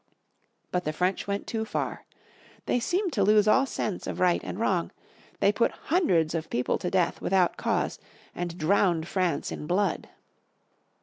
But the French went too far. They seemed to lose all sense of right and wrong, they put hundreds of people to death without cause and drowned France in blood.